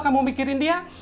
kamu mikirin dia